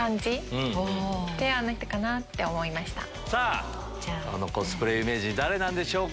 さぁこのコスプレ有名人誰なんでしょうか？